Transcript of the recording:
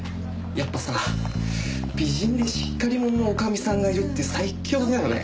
やっぱさ美人でしっかり者の女将さんがいるって最強だよね。